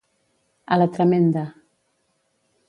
A la tremenda.